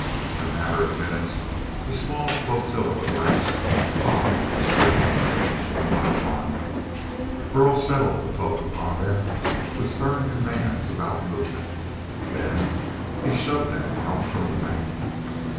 In a matter of minutes the small flotilla of rafts bobbed in the stream. One by one, Burl settled the folk upon them with stern commands about movement. Then he shoved them out from the bank.